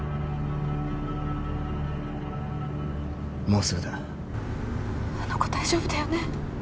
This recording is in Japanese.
もうすぐだあの子大丈夫だよね？